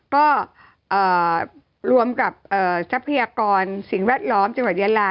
ก็รวมกับทรัพยากรสิ่งแวดล้อมจังหวัดยาลา